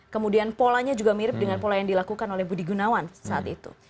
kemudian polanya juga mirip dengan pola yang dilakukan oleh budi gunawan saat itu